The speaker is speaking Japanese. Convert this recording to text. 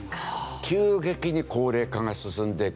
急激に高齢化が進んでくる。